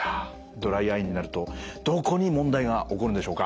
ドライアイになるとどこに問題が起こるんでしょうか。